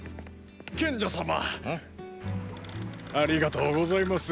ありがとうございます。